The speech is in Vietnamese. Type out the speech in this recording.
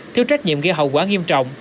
thiếu trách nhiệm gây hậu quả nghiêm trọng